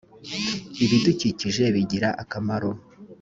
ibidukikije bigira akamaro.